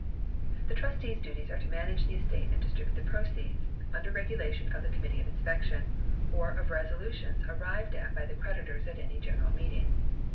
The trustee's duties are to manage the estate and distribute the proceeds, under regulation of the committee of inspection, or of resolutions arrived at by the creditors at any general meeting.